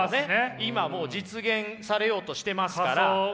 今もう実現されようとしてますから。